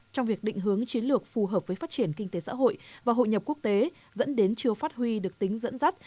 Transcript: trong việc định hướng chiến lược phù hợp với phát triển kinh tế xã hội và hội nhập quốc tế dẫn đến chưa phát huy được tính dẫn dắt